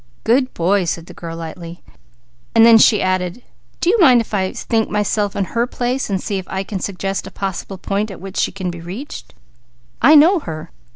"Good boy!" said the girl lightly. And then she added: "Do you mind if I think myself in her place and see if I can suggest a possible point at which she could be reached? I know her.